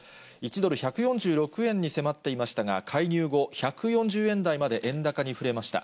１ドル１４６円に迫っていましたが、介入後、１４０円台まで円高に振れました。